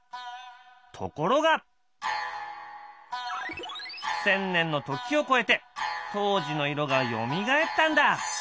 ところが１，０００年の時を超えて当時の色がよみがえったんだ！